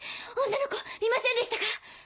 女の子見ませんでしたか？